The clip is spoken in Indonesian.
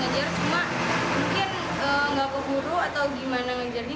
sempat ngejar cuma mungkin gak keburu atau gimana ngejar dia